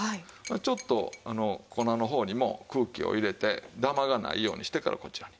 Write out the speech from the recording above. ちょっと粉の方にも空気を入れてダマがないようにしてからこちらに。